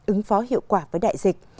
ứng phó hiệu quả với đại dịch